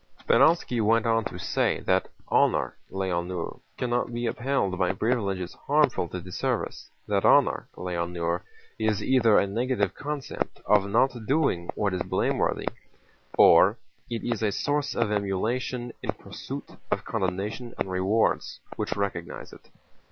Speránski went on to say that honor, l'honneur, cannot be upheld by privileges harmful to the service; that honor, l'honneur, is either a negative concept of not doing what is blameworthy or it is a source of emulation in pursuit of commendation and rewards, which recognize it.